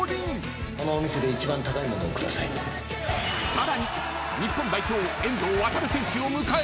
［さらに］